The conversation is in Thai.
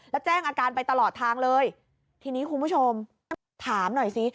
แล้วแจ้งอาการไปตลอดทางเลยทีนี้คุณผู้ชมถามหน่อยสิ